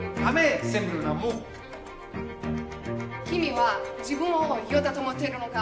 君は自分をヒョウだと思ってるのか？